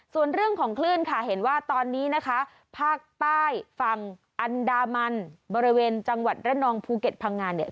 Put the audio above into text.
ส่วนเรื่องของคลื่นค่ะเห็นว่าตอนนี้นะคะภาคใต้ฝั่งอันดามันบริเวณจังหวัดระนองภูเก็ตพังงานเนี่ย